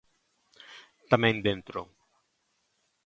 Tamén dentro.